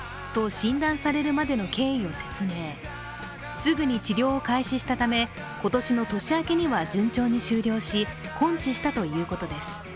すぐに治療を開始したため今年の年明けには順調に終了し、根治したということです。